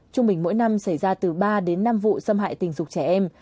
trung bình mỗi năm xảy ra từ ba đến năm vụ xâm hại tình dục trẻ em